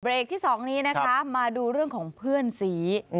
ที่๒นี้นะคะมาดูเรื่องของเพื่อนสี